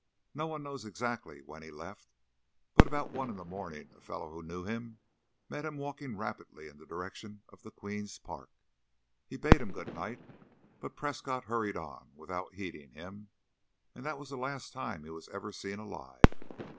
No one knows exactly when he left, but about one in the morning a fellow who knew him met him walking rapidly in the direction of the Queen's Park. He bade him good night, but Prescott hurried on without heeding him, and that was the last time he was ever seen alive.